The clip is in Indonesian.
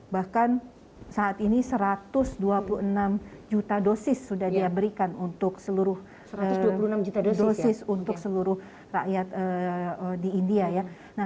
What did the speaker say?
bahkan saat ini satu ratus dua puluh enam juta dosis sudah diberikan untuk seluruh rakyat di india